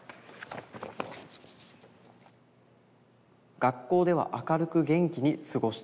「学校では明るく元気に過ごしていました」。